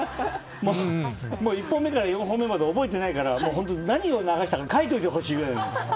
１本目から４本目まで覚えてないから何を流したか書いておいてほしいぐらい。